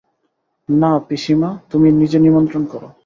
না পিসিমা, তুমি নিজে নিমন্ত্রণ করো।